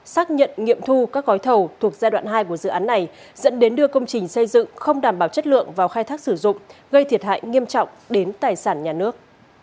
xác nhận nghiệm thu các gói thầu thuộc giai đoạn hai của dự án này dẫn đến đưa công trình xây dựng không đảm bảo chất lượng vào khai thác sử dụng gây thiệt hại nghiêm trọng đến tài sản nhà nước